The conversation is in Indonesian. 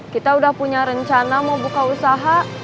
kita udah punya rencana mau buka usaha